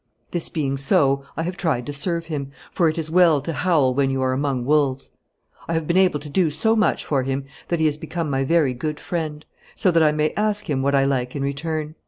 This being so, I have tried to serve him, for it is well to howl when you are among wolves. I have been able to do so much for him that he has become my very good friend, so that I may ask him what I like in return.